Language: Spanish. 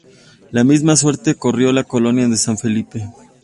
La misma suerte corrió la colonia de San Felipe.